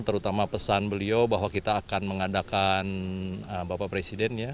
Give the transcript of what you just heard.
terutama pesan beliau bahwa kita akan mengadakan bapak presiden ya